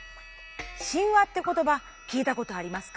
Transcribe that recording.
「神話」って言葉聞いたことありますか？